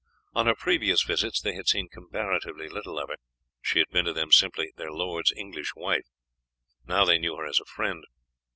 On her previous visits they had seen comparatively little of her; she had been to them simply their lord's English wife, now they knew her as a friend.